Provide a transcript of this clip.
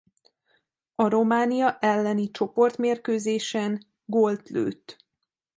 A Románia elleni csoportmérkőzésen gólt lőtt.